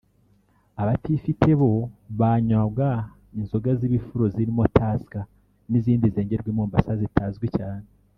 Abatifite bo banywaga inzoga z’ibifuro zirimo Tusker n’izindi zengerwa i Mombasa zitazwi cyane